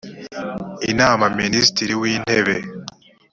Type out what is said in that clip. inama minisitiri w’intebe